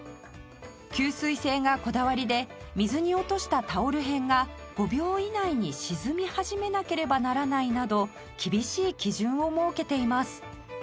吸水性がこだわりで水に落としたタオル片が５秒以内に沈み始めなければならないなど厳しい基準を設けています